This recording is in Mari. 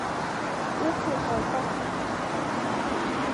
— Уке, калтак!